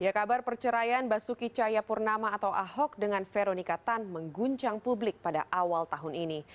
ya kabar perceraian basuki cahayapurnama atau ahok dengan veronika tan mengguncang publik pada awal tahun ini